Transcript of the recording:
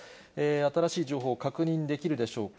新しい情報、確認できるでしょうか。